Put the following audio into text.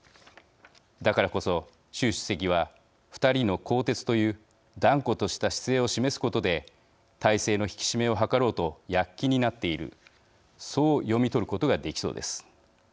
だからこそ習主席は２人の更迭という断固とした姿勢を示すことで体制の引き締めを図ろうと躍起になっているそう読み取ることができそうです。